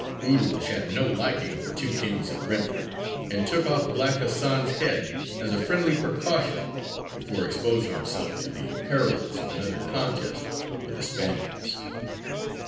Urūj had no liking for two Kings of Brentford, and took off Black Hasan's head as a friendly precaution, before exposing himself to the perils of another contest with the Spaniards.